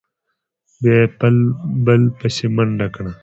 بیا به یې بل بسې منډه وکړه.